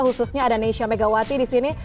khususnya ada nesha megawati di sini